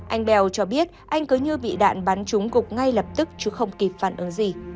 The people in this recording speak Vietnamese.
anh bell cho biết anh cứ như bị đạn bắn chúng gục ngay lập tức chứ không kịp phản ứng gì